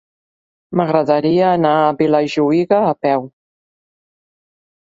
M'agradaria anar a Vilajuïga a peu.